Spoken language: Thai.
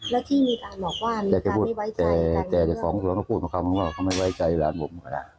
แล้วที่มีการบอกว่ามีการไม่ไว้ใจแต่แต่ของสวนก็พูดมาคำว่าเขาไม่ไว้ใจหลานผม